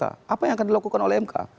apa yang akan dilakukan oleh mk